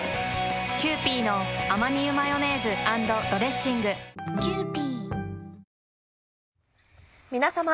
キユーピーのアマニ油マヨネーズ＆ドレッシング皆さま。